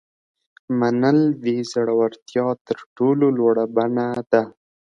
منل د زړورتیا تر ټولو لوړه بڼه ده.